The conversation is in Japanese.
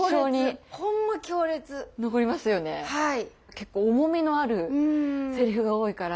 結構重みのあるセリフが多いから。